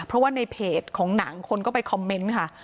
เพราะว่าในเพจของหนังคนก็ไปคอมเมนต์ค่ะ